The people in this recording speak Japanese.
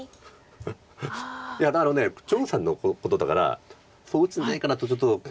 いやだから張栩さんのことだからそう打つんじゃないかなとちょっと。